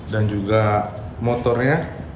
dan juga motornya